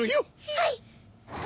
はい！